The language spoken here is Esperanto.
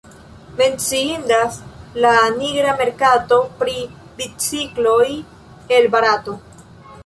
Menciindas la nigra merkato pri bicikloj el Barato.